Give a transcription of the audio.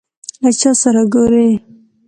له چا سره ګورې ؟